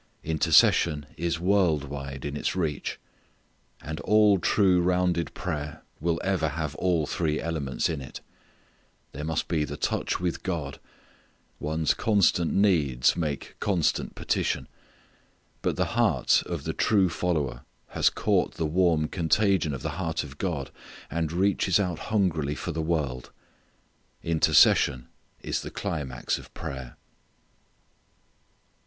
Intercession is world wide in its reach. And all true rounded prayer will ever have all three elements in it. There must be the touch with God. One's constant needs make constant petition. But the heart of the true follower has caught the warm contagion of the heart of God and reaches out hungrily for the world. Intercession is the climax of prayer.